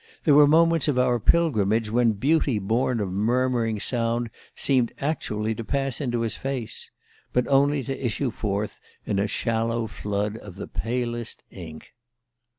There were moments of our pilgrimage when beauty born of murmuring sound seemed actually to pass into his face but only to issue forth in a shallow flood of the palest ink